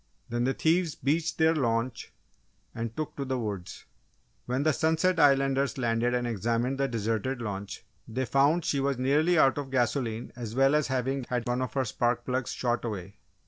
Then the thieves beached their launch and took to the woods. When the Sunset Islanders landed and examined the deserted launch, they found she was nearly out of gasoline as well as having had one of her spark plugs shot away.